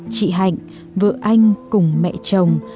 chị hạnh vợ anh cùng mẹ chồng